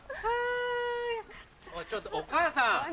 ちょっとお母さん！